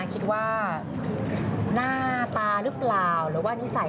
มีความสงสัยมีความสงสัย